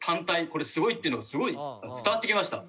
これすごいっていうのはすごい伝わってきました。